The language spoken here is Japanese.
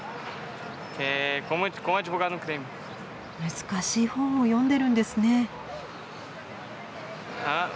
難しい本を読んでるんですね。